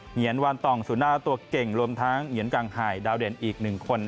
เหยียนวานตองสุน่าตัวเก่งรวมทั้งเหงียนกังไห่ดาวเด่นอีกหนึ่งคน